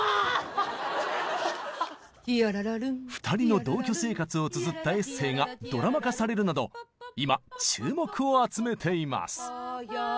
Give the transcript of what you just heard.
２人の同居生活をつづったエッセーがドラマ化されるなど今注目を集めています！